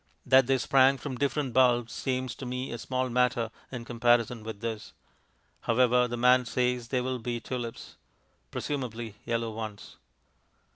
That they sprang from different bulbs seems to me a small matter in comparison with this. However, the man says that they will be tulips. Presumably yellow ones.